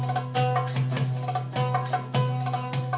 setiap ketemu anak tsubasa